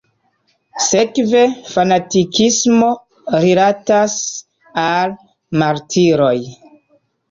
Sekve, fanatikismo rilatas al martiroj.